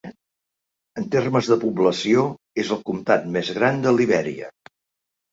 En termes de població, és el comtat més gran de Libèria.